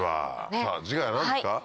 さぁ次回は何ですか？